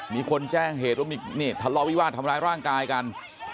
มีคนแจ้งเหตุว่ามีนี่ทะเลาะวิวาสทำร้ายร่างกายกัน